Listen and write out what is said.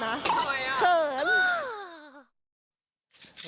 ทำไมอ๋อเขิน